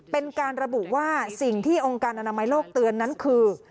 เป็นการระบุว่าสิ่งที่องค์การอนามัยโลกเตือนนั้นคือ